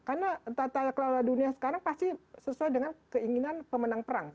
karena tatak kelola dunia sekarang pasti sesuai dengan keinginan pemenang perang